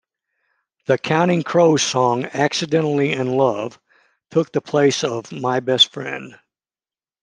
The Counting Crows song "Accidentally in Love" took the place of "My Best Friend.